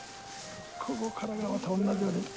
ここからがまた同じように。